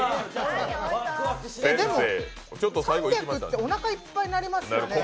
でも、３００っておなかいっぱいになりますよね？